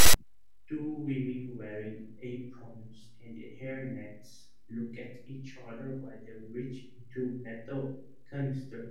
Two women wearing aprons and hairnets look at each other while they reach into metal canisters.